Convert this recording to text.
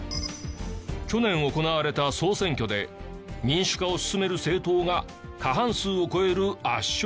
去年行われた総選挙で民主化を進める政党が過半数を超える圧勝。